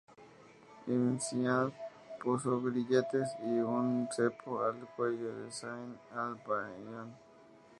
Ibn Ziad puso grilletes y un cepo al cuello a Zayn al-Abidin.